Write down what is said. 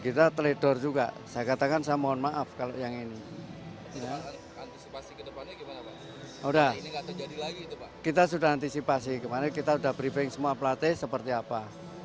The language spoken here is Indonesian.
kita sudah antisipasi kemarin kita sudah briefing semua pelatih seperti apa